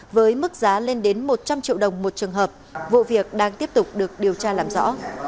với mức giá lên đến một trăm linh triệu đồng một trường hợp vụ việc đang tiếp tục được điều tra làm rõ